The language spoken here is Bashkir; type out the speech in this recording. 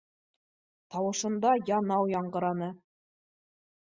Тауышында янау яңғыраны